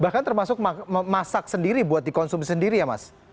bahkan termasuk masak sendiri buat dikonsum sendiri ya mas